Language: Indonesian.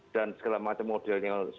dan segala macam modelnya